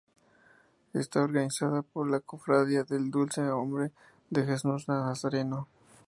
Está organizada por la Cofradía del Dulce Nombre de Jesús Nazareno.